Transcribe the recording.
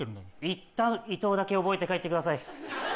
いったん伊藤だけ覚えて帰ってください。